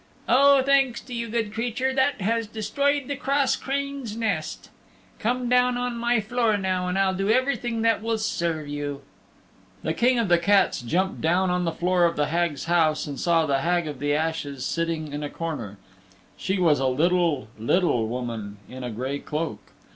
"Oh, thanks to you, good creature, that has destroyed the cross crane's nest. Come down on my floor now and I'll do everything that will serve you." The King of the Cats jumped down on the floor of the Hag's house and saw the Hag of the Ashes sitting in a corner, She was a little, little woman in a gray cloak.